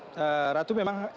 apa agenda sidang hari ini